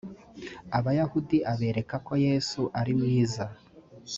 abayahudi abereka ko yesu ari mwiza